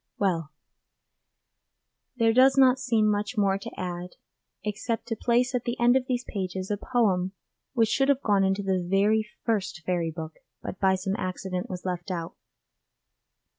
Well, there does not seem much more to add except to place at the end of these pages a poem which should have gone into the very first Fairy Book, but by some accident was left out.